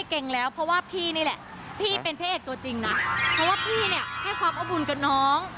เพราะว่าพี่เนี่ยให้ความอบุญกับน้อง